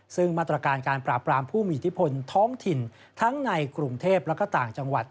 ซึ่งมาตรการการปราบรามผู้มีอิทธิพลท้องถิ่นทั้งในกรุงเทพและก็ต่างจังหวัด